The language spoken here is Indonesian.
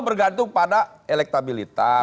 tergantung pada elektabilitas